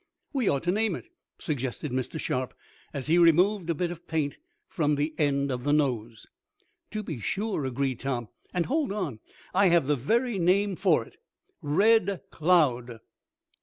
"We ought to name it," suggested Mr. Sharp, as he removed a bit of paint from the end of the nose. "To be sure," agreed Tom. "And hold on, I have the very name for it Red Cloud!"